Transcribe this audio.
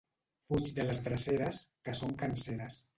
Fuig de les dreceres, que són canseres.